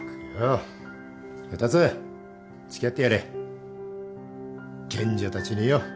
おい竜つきあってやれ賢者たちによ。